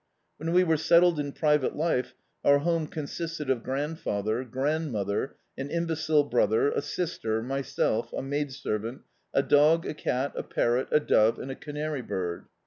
When we were settled in private life our home consisted of grandfather, grand mother, an imbecile brother, a sister, myself, a maid servant, a dog, a cat, a parrot, a dove, and a canary bird.